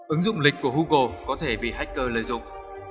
ứng dụng lịch của google có thể bị hacker lợi dụng